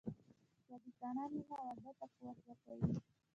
صادقانه مینه واده ته قوت ورکوي.